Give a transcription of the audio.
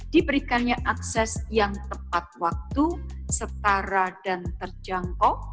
diberikannya akses yang tepat waktu setara dan terjangkau